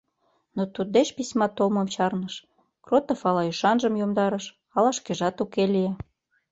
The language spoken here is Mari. Но туддеч письма толмым чарныш: Кротов ала ӱшанжым йомдарыш, ала шкежат уке лие.